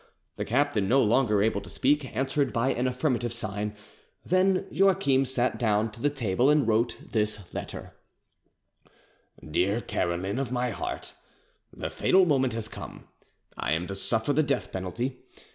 The Captain no longer able to speak, answered by an affirmative sign; then Joachim sat down to the table and wrote this letter: "DEAR CAROLINE OF MY HEART,—The fatal moment has come: I am to suffer the death penalty.